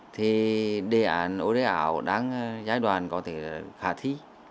thì đề ản ổ đế ảo đang giai đoàn có thể khả thi